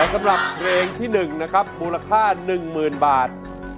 แล้วสำหรับเพลงที่หนึ่งนะครับมูลค่าหนึ่งหมื่นบาท